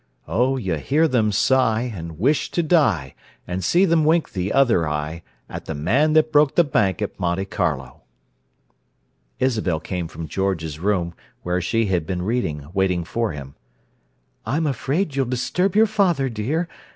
Oh, you hear them sigh, and wish to die, And see them wink the other eye. At the man that broke the bank at Monte Carlo!" Isabel came from George's room, where she had been reading, waiting for him. "I'm afraid you'll disturb your father, dear.